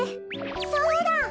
そうだ！